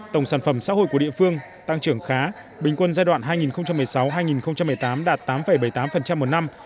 tổng sản phẩm xã hội của địa phương tăng trưởng khá bình quân giai đoạn hai nghìn một mươi sáu hai nghìn một mươi tám đạt tám bảy mươi tám một năm